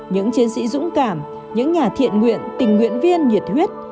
những chiến sĩ dũng cảm những nhà thiện nguyện tình nguyện viên nhiệt huyết